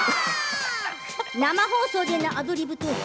生放送でのアドリブトーク